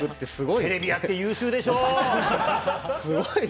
テレビ屋って優秀でしょ？